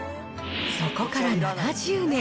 そこから７０年。